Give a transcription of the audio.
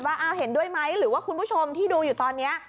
ว่าเห็นด้วยไหมหรือว่าคุณผู้ชมที่ดูอยู่ตอนนี้